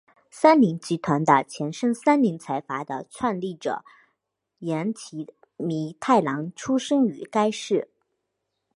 三菱集团的前身三菱财阀的创立者岩崎弥太郎出身于该市。